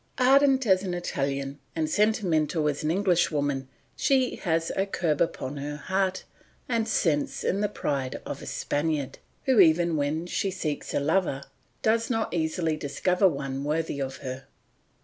Ardent as an Italian and sentimental as an Englishwoman, she has a curb upon heart and sense in the pride of a Spaniard, who even when she seeks a lover does not easily discover one worthy of her.